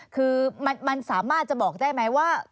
คือมันสามารถจะบอกได้ไหมว่า